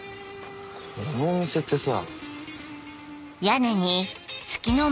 このお店ってさ。